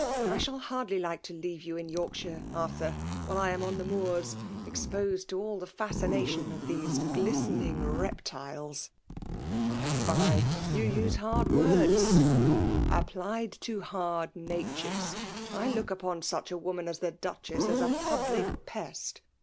I shall hardly like to leave you in Yorkshire, Arthiu , while I am on the Moors, exposed to all the fascination of these glistening reptiles !"" Fie, fie !— ^You use hard wwds." '' Applied to hard natures ! I look upon such a woman as the Duchess as a public pest!